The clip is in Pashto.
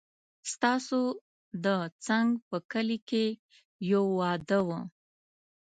ستاسو د څنګ په کلي کې يو واده و